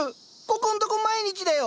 ここんとこ毎日だよ。